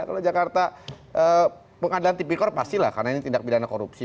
kalau jakarta pengadilan tipikor pastilah karena ini tindak pidana korupsi